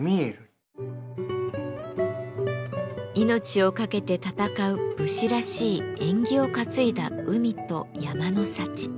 命を懸けて戦う武士らしい縁起を担いだ海と山の幸。